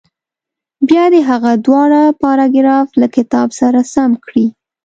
بیا دې هغه دواړه پاراګراف له کتاب سره سم کړي.